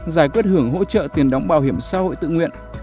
giải quyết hưởng hỗ trợ tiền đóng bảo hiểm xã hội tự nguyện